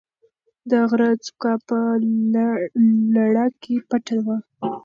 د غره څوکه په لړه کې پټه وه.